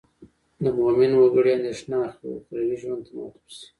د مومن وګړي اندېښنه اخروي ژوند ته معطوف شي.